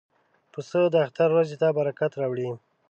پسه د اختر ورځې ته برکت راوړي.